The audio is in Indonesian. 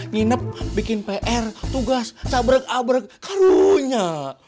nginep bikin pr tugas cabrek abrek karunya